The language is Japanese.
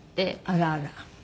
あらあら。